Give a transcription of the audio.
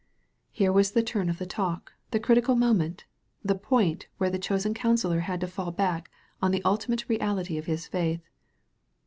Here was the turn of the talk, the critical mo ment, the point where the chosen counsellor had to fall back upon the ultimate reality of his faith.